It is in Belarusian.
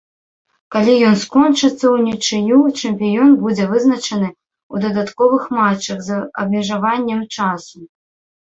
Калі ён скончыцца ўнічыю, чэмпіён будзе вызначаны ў дадатковых матчах з абмежаваннем часу.